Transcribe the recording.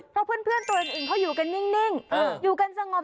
เพราะเพื่อนตัวอื่นเขาอยู่กันนิ่งอยู่กันสงบ